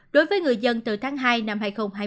đối với người dân từ tháng hai năm hai nghìn hai mươi